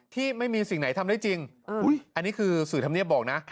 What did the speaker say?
ที่ไม่มีสิ่งไหนทำได้จริงอันนี้คือสื่อธรรมเนียบบอกนะ